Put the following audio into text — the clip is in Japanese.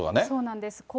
そうなんです。